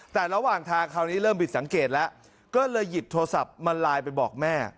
แต่ระหว่างทางคราวนี้เริ่มบิดสังเกตแล้วก็เลยหยิบโทรศัพท์มาไลน์ไปบอกแม่